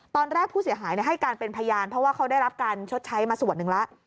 ตอนแรกผู้เสียหายให้การเป็นพยานเพราะว่าเขาได้รับการชดใช้มาส่วนหนึ่งแล้ว